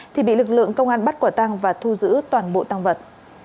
thì bị lực lượng công an bắt quả tăng và thu giữ toàn bộ tăng vật